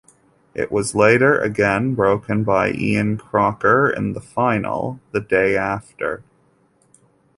It was later again broken by Ian Crocker in the final, the day after.